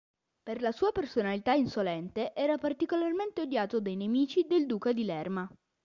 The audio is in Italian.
Per la sua personalità insolente, era particolarmente odiato dai nemici del duca di Lerma.